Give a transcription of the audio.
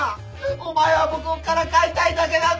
お前は僕をからかいたいだけなんだ！